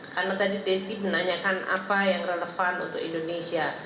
karena tadi desi menanyakan apa yang relevan untuk indonesia